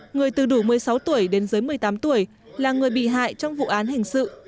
người từ đủ một mươi sáu tuổi đến dưới một mươi tám tuổi là người bị hại trong vụ án hình sự